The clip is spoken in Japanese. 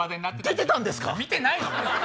出てたんですか⁉見てないのか！